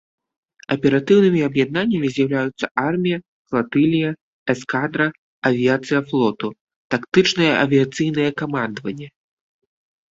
Аператыўнымі аб'яднаннямі з'яўляюцца армія, флатылія, эскадра, авіяцыя флоту, тактычнае авіяцыйнае камандаванне.